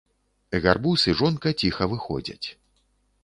Гарбуз і жонка ціха выходзяць.